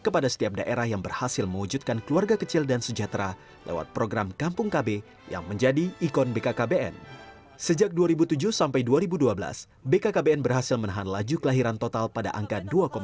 pada tahun dua ribu dua belas bkkbn berhasil menahan laju kelahiran total pada angka dua enam